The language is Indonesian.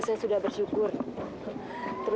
saya sudah bersyukur